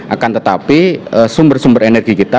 akan tetapi sumber sumber energi kita